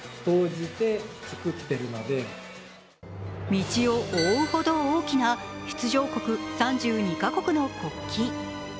道を覆うほど大きな出場国３２か国の国旗。